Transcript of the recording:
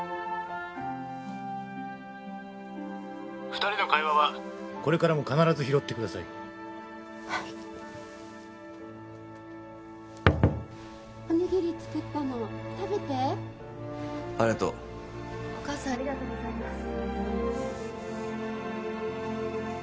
二人の会話はこれからも必ず拾ってくださいはいおにぎり作ったの食べてありがとうお義母さんありがとうございます